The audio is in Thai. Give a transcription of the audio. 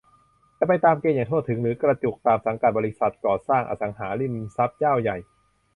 จะไปตามเกณฑ์อย่างทั่วถึง หรือกระจุกตามสังกัดบริษัทก่อสร้าง-อสังหาริมทรัพย์เจ้าใหญ่